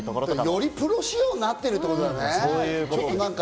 よりプロ仕様になってるってことだね。